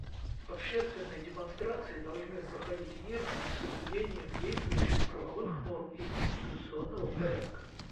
Общественные демонстрации должны проходить мирно и с соблюдением действующих правовых норм и конституционного порядка.